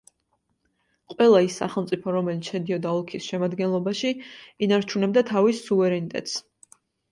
ყველა ის სახელმწიფო, რომელიც შედიოდა ოლქის შემადგენლობაში, ინარჩუნებდა თავის სუვერენიტეტს.